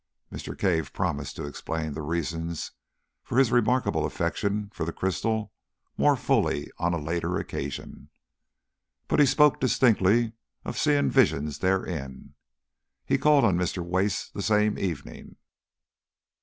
Mr. Cave promised to explain the reasons for his remarkable affection for the crystal more fully on a later occasion, but he spoke distinctly of seeing visions therein. He called on Mr. Wace the same evening.